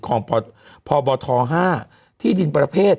มันติดคุกออกไปออกมาได้สองเดือน